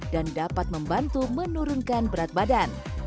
dan dapat membantu menurunkan berat badan